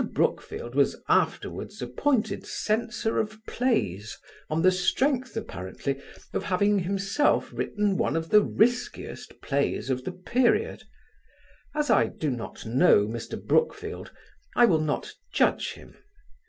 Brookfield was afterwards appointed Censor of Plays on the strength apparently of having himself written one of the "riskiest" plays of the period. As I do not know Mr. Brookfield, I will not judge him.